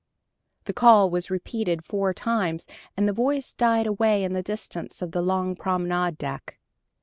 The call was repeated four times, and the voice died away in the distance of the long promenade deck.